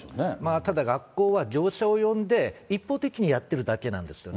ただ学校は業者を呼んで、一方的にやってるだけなんですね。